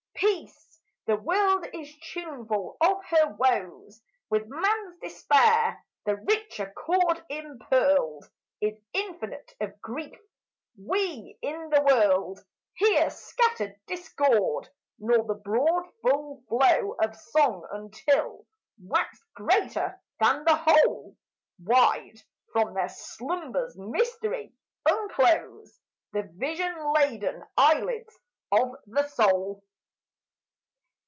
Peace ! the world is tuneful of her woes With man's despair the richer chord impearled Is infinite of grief; we in the world Hear scattered discord, nor the broad full flow Of song until, waxed greater than the whole, Wide, from their slumber's mystery, unclose The vision laden eyelids of the soul.